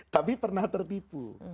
tapi pernah tertipu